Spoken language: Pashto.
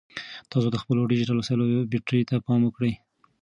تاسو د خپلو ډیجیټل وسایلو بیټرۍ ته پام وکړئ.